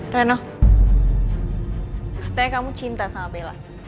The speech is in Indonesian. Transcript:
rano katanya kamu cinta sama bella